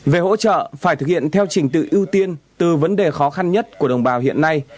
về hỗ trợ phải thực hiện theo trình tự ưu tiên từ vấn đề khó khăn nhất của đồng bào hiện nay